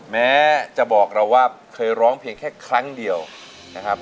แม้จะบอกเราว่าเคยร้องเพียงแค่ครั้งเดียวนะครับ